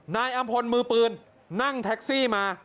นายอำพลมือปืนนั่งแท็กซี่มา